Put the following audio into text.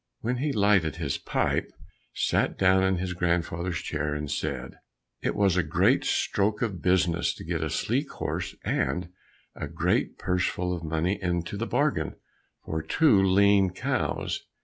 Then he lighted his pipe, sat down in his grandfather's chair, and said, "It was a good stroke of business to get a sleek horse and a great purse full of money into the bargain, for two lean cows.